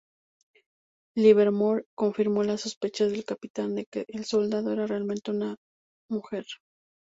Livermore confirmó las sospechas del capitán de que el soldado era realmente una mujer.